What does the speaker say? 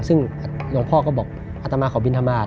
ซึ่งหลวงพ่อก็บอกอัตมาขอบินธรรมาศ